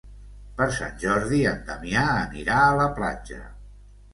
Per Sant Jordi en Damià anirà a la platja.